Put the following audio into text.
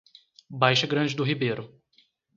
Baixa Grande do Ribeiro